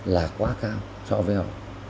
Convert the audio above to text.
là quá cao cho về họ